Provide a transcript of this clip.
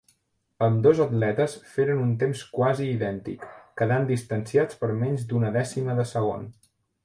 Ambdós atletes feren un temps quasi idèntic, quedant distanciats per menys d'una dècima de segon.